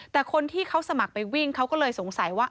แต่คนที่เขาสมัครไปวิ่งเขาก็เลยสงสัยว่า